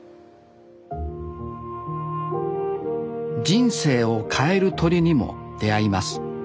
人生を変える鳥にも出会います。